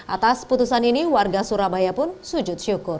atas putusan ini warga surabaya pun sujud syukur